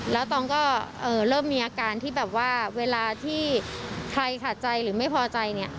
แล้วตองก็เริ่มมีอาการที่แบบว่าเวลาที่ใครขาดใจหรือไม่พอใจเนี่ย